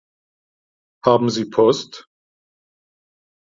Haben Sie Post?